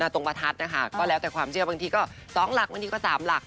ประทัดนะคะก็แล้วแต่ความเชื่อบางทีก็๒หลักบางทีก็๓หลัก